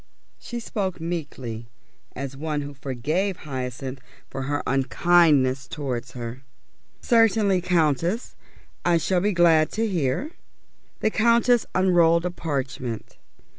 She spoke meekly, and as one who forgave Hyacinth for her unkindness towards her. "Certainly, Countess. I shall be glad to hear." The Countess unrolled a parchment.